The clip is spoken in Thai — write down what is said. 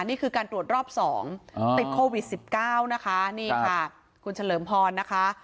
นี่คือการตรวจรอบ๒ติดโควิด๑๙นะคะนี่ค่ะคุณเฉลิมพรนะคะ